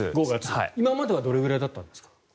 今まではどれぐらいだったんですか？